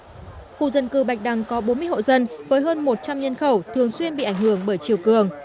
khu dân cư bạch đăng có bốn mươi hộ dân với hơn một trăm linh nhân khẩu thường xuyên bị ảnh hưởng bởi chiều cường